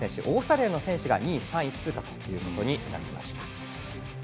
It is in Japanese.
オーストリアの選手が２位、３位通過となりました。